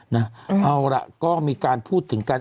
เอาล่ะก็มีการพูดถึงกัน